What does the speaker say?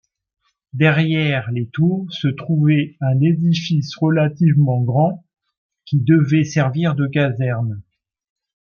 Derrière les tours, se trouvait un édifice relativement grand qui devait servir de caserne.